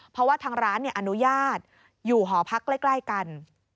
เพราะว่าทางร้านอนุญาตอยู่หอพักใกล้กัน